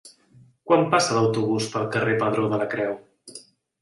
Quan passa l'autobús pel carrer Pedró de la Creu?